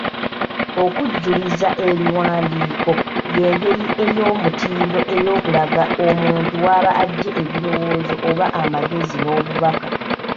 Okujuliza ebiwandiiko, y’engeri eyoomutindo ey’okulaga omuntu w'aba aggye ebirowoozo oba amagezi n'obubaka.